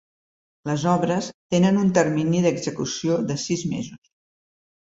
Les obres tenen un termini d’execució de sis mesos.